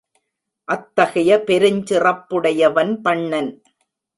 அத்தகைய பெருஞ் சிறப்புடையவன் பண்ணன்.